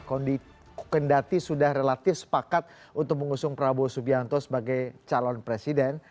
kondi kendati sudah relatif sepakat untuk mengusung prabowo subianto sebagai calon presiden